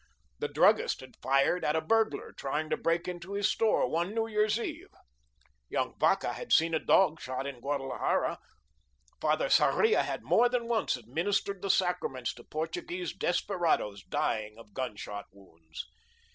The druggist had fired at a burglar trying to break into his store one New Year's eve. Young Vacca had seen a dog shot in Guadalajara. Father Sarria had more than once administered the sacraments to Portuguese desperadoes dying of gunshot wounds.